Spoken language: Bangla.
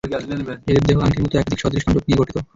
এদের দেহ আংটির মতো একাধিক সদৃশ খন্ডক নিয়ে গঠিত।